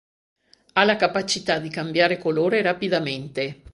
Ha la capacità di cambiare colore rapidamente.